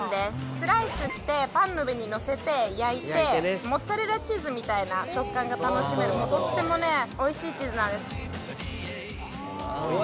スライスしてパンの上にのせて焼いてモッツァレラチーズみたいな食感が楽しめるとっても美味しいチーズなんです。